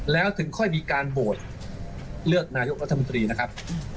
แล้วถึงค่อยมีการโหวตเลือกนายกรัฐมนตรีนะครับ